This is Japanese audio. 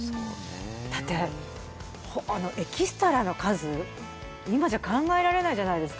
だって、エキストラの数今じゃ考えられないじゃないですか。